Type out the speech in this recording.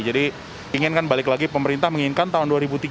jadi inginkan balik lagi pemerintah menginginkan tahun dua ribu tiga puluh